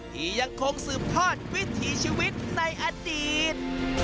ที่ยังคงสืบทอดวิถีชีวิตในอดีต